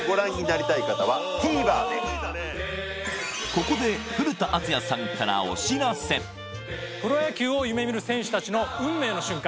ここでプロ野球を夢見る選手達の運命の瞬間